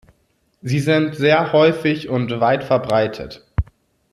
Sie sind sehr häufig und weit verbreitet.